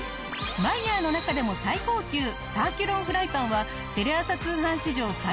マイヤーの中でも最高級サーキュロンフライパンはテレ朝通販史上最大値引き